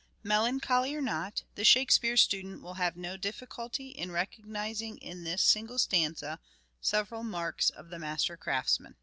Melancholy or not, the Shakespeare student will have no difficulty in recognizing in this single stanza several marks of the master craftsman.